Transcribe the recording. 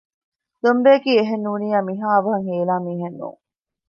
ދޮންބެއަކީ އެހެންނޫނިއްޔާ މިހާ އަވަހަށް ހޭލާ މީހެއް ނޫން